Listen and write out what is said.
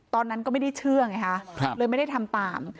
ตอนนั้นก็ไม่ได้เชื่อไงฮะเลยไม่ได้ทำตาม